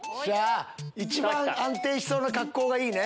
一番安定しそうな格好がいいね。